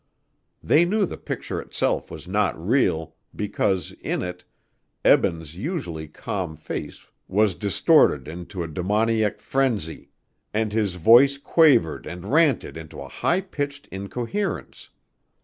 They knew the picture itself was not real because, in it, Eben's usually calm face was distorted into a demoniac frenzy and his voice quavered and ranted into a high pitched incoherence.